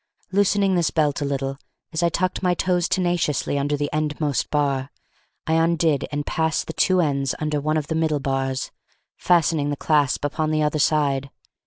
Loosening this belt a little, as I tucked my toes tenaciously under the endmost bar, I undid and passed the two ends under one of the middle bars, fastening the clasp upon the other side.